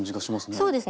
そうですね。